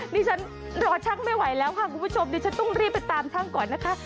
ดิฉันรอช่างไม่ไหวแล้วค่ะคุณผู้ชมดิฉันต้องรีบไปตามช่างก่อนนะคะ